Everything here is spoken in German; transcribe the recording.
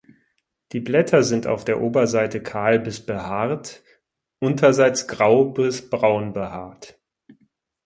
Die Blätter sind auf der Oberseite kahl bis behaart, unterseits grau bis braun behaart.